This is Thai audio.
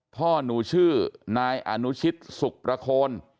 พ่อหนูชื่อนายอนุชิตสุขประโคน